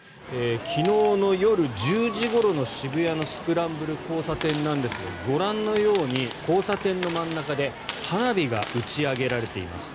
昨日の夜１０時ごろの渋谷のスクランブル交差点ですがご覧のように交差点の真ん中で花火が打ち上げられています。